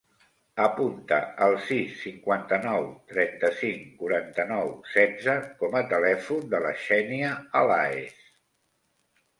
Apunta el sis, cinquanta-nou, trenta-cinc, quaranta-nou, setze com a telèfon de la Xènia Alaez.